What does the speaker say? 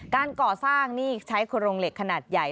การก่อสร้างนี่ใช้โครงเหล็กขนาดใหญ่